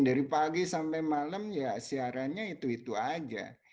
dari pagi sampai malam ya siarannya itu itu aja